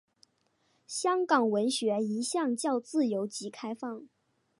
香港文学一向较自由及开放。